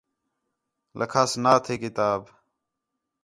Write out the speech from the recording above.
لکھاس نا تھے کتاب